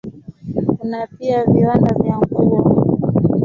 Kuna pia viwanda vya nguo.